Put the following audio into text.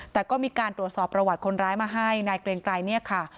แต่ก็มีการตรวจสอบประวัติคนร้ายมาให้นายเกรงไกรเนี่ยค่ะ